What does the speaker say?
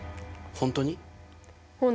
本当に？